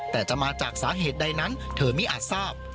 แต่จะมาจากสาเหตุใดนั้นเธอไม่อาจทราบ